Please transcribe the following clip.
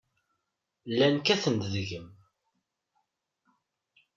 Llan kkaten-d deg-m.